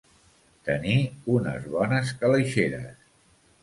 Tenir unes bones calaixeres.